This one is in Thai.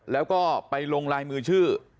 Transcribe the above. แล้วก็ไปลงลายมือชื่อ